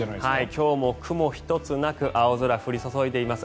今日も雲一つなく青空降り注いでいます。